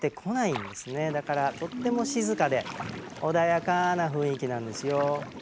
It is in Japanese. だからとっても静かで穏やかな雰囲気なんですよ。